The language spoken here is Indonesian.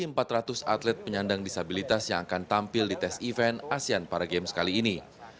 ada empat ratus atlet penyandang disabilitas yang akan tampil di tes event asean para games kali ini